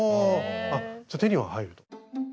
あ。じゃあ手には入ると。